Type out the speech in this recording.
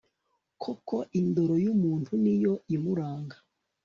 koko indoro y'umuntu ni yo imuranga